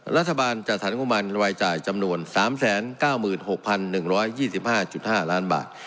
รัฐบาลจัดสรรงบมันรายจ่ายจำนวน๓๙๖๑๒๕๕ล้านบาท